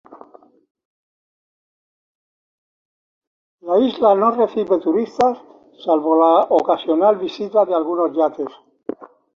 La isla no recibe turistas salvo la ocasional visita de algunos yates.